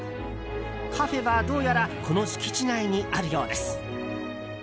カフェはどうやらこの敷地内にあるようです。